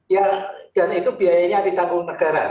ya dan itu biayanya di tanggung negara